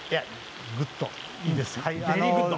グッド、いいですよ。